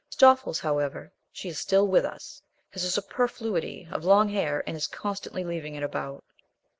Stoffles, however she is still with us has a superfluity of long hair, and is constantly leaving it about.